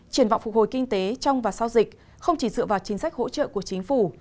triển vọng phục hồi kinh tế trong và sau dịch không chỉ dựa vào chính sách hỗ trợ của chính phủ